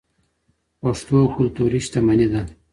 پښتو کلتوري شتمني ده.